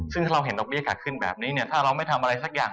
ซึ่งถ้าเราเห็นดอกเบี้ขาดขึ้นแบบนี้เนี่ยถ้าเราไม่ทำอะไรสักอย่าง